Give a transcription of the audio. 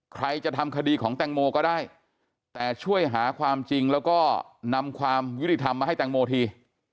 ใครจะทำคดีของแตงโมก็ได้แต่ช่วยหาความจริงแล้วก็นำความยุติธรรมมาให้แตงโมที